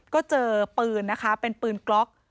ก็เจอปืนนะคะเป็นปืนกล็อก